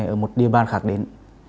đối tượng này ở một địa bàn khác đến